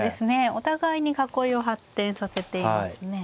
お互いに囲いを発展させていますね。